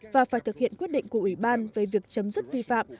và phải thực hiện quyết định của ủy ban về việc chấm dứt vi phạm